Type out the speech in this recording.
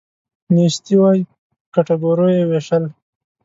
نیستي وی په کټګوریو یې ویشل.